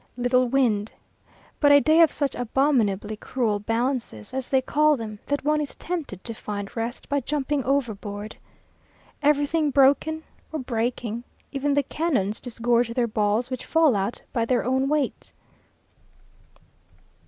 Little wind, but a day of such abominably cruel "balances," as they call them, that one is tempted to find rest by jumping overboard. Everything broken or breaking. Even the cannons disgorge their balls, which fall out by their own weight.